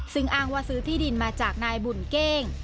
ซึ่งอ้างว่าซื้อที่ดินมาจากนายบุญเก้ง